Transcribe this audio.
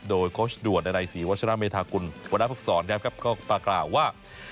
โดยโค้ชด่วนในสีวัฒนาเมธากุลวัฒนาภกษรนะครับก็ปากล่าวว่า